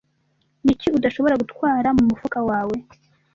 niki udashobora gutwara mumufuka wawe